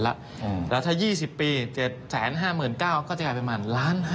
แล้วถ้า๒๐ปี๗๕๙๐๐๐บาทก็จะกลายเป็นล้าน๕หลาน